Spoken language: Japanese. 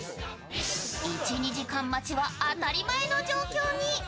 １２時間待ちは当たり前の状況に。